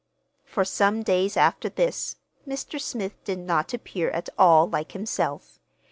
For some days after this, Mr. Smith did not appear at all like himself.